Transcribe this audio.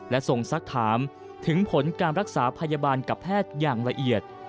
และส่งสักถามถึงผลการรักษาพยาบาลกับแพทย์อย่างละเอียด